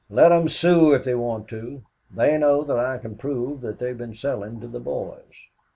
Let them sue if they want to. They know that I can prove that they've been selling to the boys.